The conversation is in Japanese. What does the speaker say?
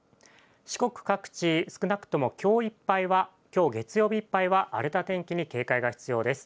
四国各地、少なくとも、きょういっぱいはきょう月曜日いっぱいは荒れた天気に警戒が必要です。